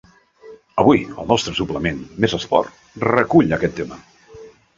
Avui el nostre suplement Més Esport recull aquest tema.